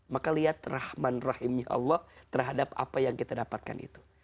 maka lihat rahman rahimnya allah terhadap apa yang kita dapatkan itu